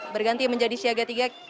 berganti menjadi siaga tiga